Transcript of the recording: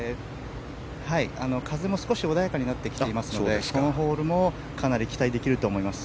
風も少し穏やかになってきていますのでこのホールもかなり期待できると思います。